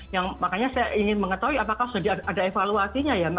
yang makanya saya ingin mengetahui apakah sudah ada evaluasinya ya